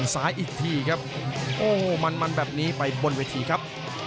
ซ้ายอีกทีครับโอ้มันแบบนี้ไปบนวิธีครับ